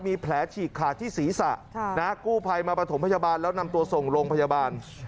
มีแผลฉีกขาดที่ศีรษะกู้ภัยมาประถมพยาบาลแล้วนำตัวส่งโรงพยาบาล